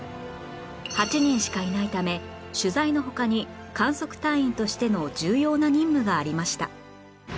８人しかいないため取材の他に観測隊員としての重要な任務がありました